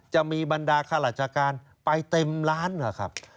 จะมีบรรดาข้าราชการไปเต็มล้านนะครับ